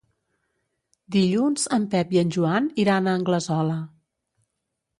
Dilluns en Pep i en Joan iran a Anglesola.